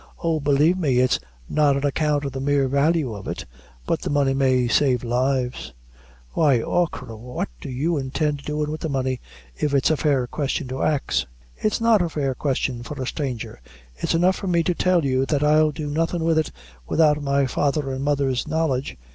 Oh! believe me, it's not on account of the mere value of it, but the money may save lives." "Why, achora, what do you intend doin' wid the money, if it's a fair question to ax?" "It's not a fair question for a stranger it's enough for me to tell you that I'll do nothing with it without my father and mother's knowledge.